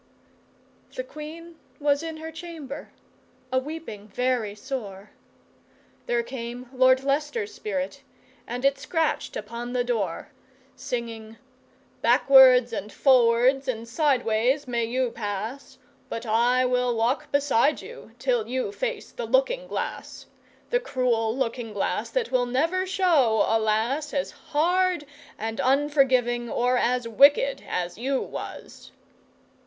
The Queen was in her chamber, a weeping very sore, There came Lord Leicester's spirit and it scratched upon the door, Singing, 'Backwards and forwards and sideways may you pass, But I will walk beside you till you face the looking glass. The cruel looking glass that will never show a lass As hard and unforgiving or as wicked as you was!